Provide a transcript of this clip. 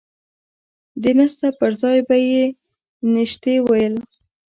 د نسته پر ځاى به يې نيشتې ويل.